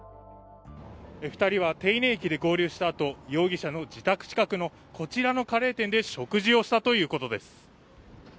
２人は、手稲駅で合流したあと容疑者の自宅近くの、こちらのカレー店で食事をしたということです。